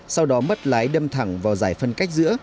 sau đó mất lái đâm thẳng vào giải phân cách giữa